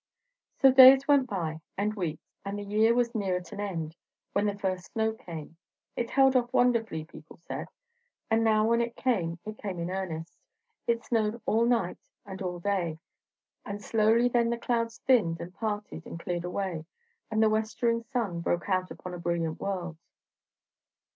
So days went by, and weeks, and the year was near at an end, when the first snow came. It had held off wonderfully, people said; and now when it came it came in earnest. It snowed all night and all day; and slowly then the clouds thinned and parted and cleared away, and the westering sun broke out upon a brilliant world.